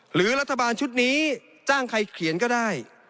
หรือรัฐบาลชุดนี้จ้างใครเขียนก็ได้